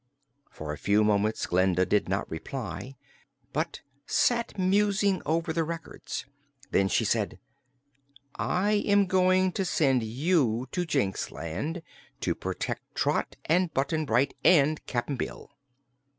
For a few moments Glinda did not reply, but sat musing over the records. Then she said: "I am going to send you to Jinxland, to protect Trot and Button Bright and Cap'n Bill."